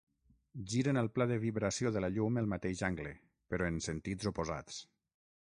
Giren el pla de vibració de la llum el mateix angle però en sentits oposats.